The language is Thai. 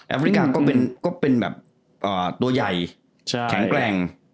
ฟริกาก็เป็นแบบตัวใหญ่แข็งแกร่ง